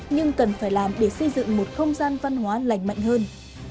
nhưng cần phải làm để xây dựng một không gian văn hóa lành mạnh hơn